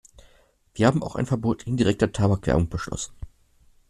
Wir haben auch ein Verbot indirekter Tabakwerbung beschlossen.